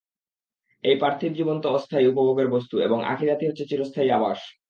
এই পার্থিব জীবন তো অস্থায়ী উপভোগের বস্তু এবং আখিরাতই হচ্ছে চিরস্থায়ী আবাস।